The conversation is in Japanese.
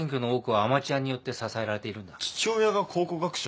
父親が考古学者？